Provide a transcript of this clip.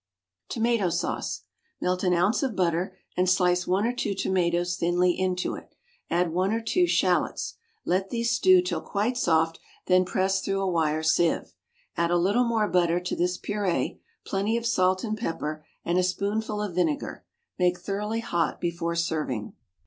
=Tomato Sauce.= Melt an ounce of butter, and slice one or two tomatoes thinly into it, add one or two shallots. Let these stew till quite soft, then press through a wire sieve. Add a little more butter to this purée, plenty of salt and pepper, and a spoonful of vinegar. Make thoroughly hot before serving.